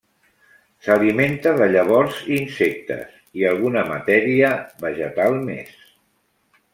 S'alimenta de llavors i insectes i alguna matèria vegetal més.